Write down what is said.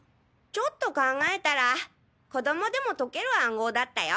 ちょっと考えたら子供でも解ける暗号だったよ！